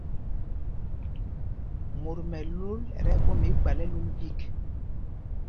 Mot mɛlu ɛ tí ɛɓɔma igbal ɛ lul ɓîk.